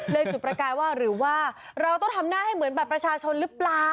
จุดประกายว่าหรือว่าเราต้องทำหน้าให้เหมือนบัตรประชาชนหรือเปล่า